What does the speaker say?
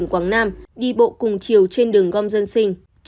quảng nam đi bộ cùng chiều trên đường gom dân sinh